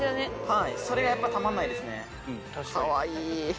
はいそれがやっぱたまんないですね。